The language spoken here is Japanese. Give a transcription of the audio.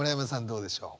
どうでしょう？